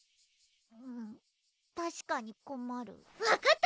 うんたしかにこまる分かった！